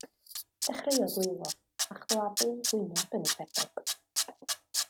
Dechreuodd wylo, a chladdu ei hwyneb yn ei ffedog.